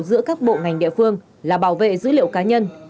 giữa các bộ ngành địa phương là bảo vệ dữ liệu cá nhân